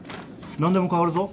何でも代わるぞ。